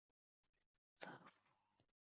勒福新堡人口变化图示